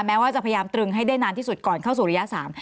แม้ว่าจะพยายามตรึงให้ได้นานที่สุดก่อนเข้าสู่ระยะสาม